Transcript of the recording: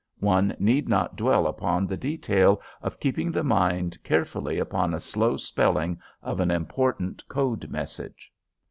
One need not dwell upon the detail of keeping the mind carefully upon a slow spelling of an important code message.